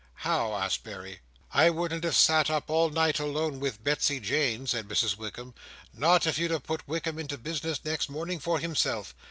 "How?" asked Berry. "I wouldn't have sat up all night alone with Betsey Jane!" said Mrs Wickam, "not if you'd have put Wickam into business next morning for himself.